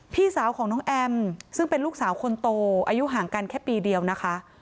พี่สาวของน้องแอมซึ่งเป็นลูกสาวคนโตอายุห่างกันแค่ปีเดียวนะคะ